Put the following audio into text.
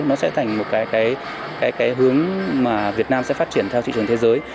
nó sẽ thành một hướng việt nam sẽ phát triển theo thị trường thế giới